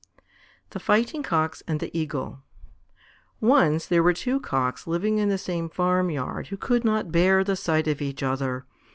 _ THE FIGHTING COCKS AND THE EAGLE Once there were two Cocks living in the same farmyard who could not bear the sight of each other.